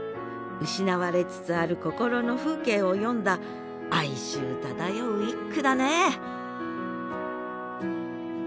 失われつつある心の風景を詠んだ哀愁漂う一句だね